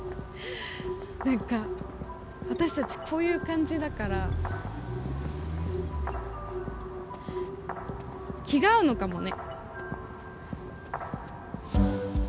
何か、私たちこういう感じだから気が合うのかもね。